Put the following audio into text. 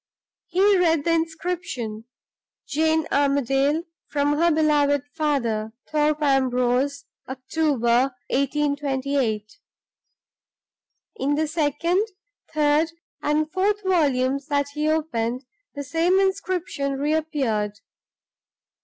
He read the inscription "Jane Armadale, from her beloved father. Thorpe Ambrose, October, 1828." In the second, third, and fourth volumes that he opened, the same inscription re appeared.